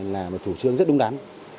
là một chủ trương rất đúng đắn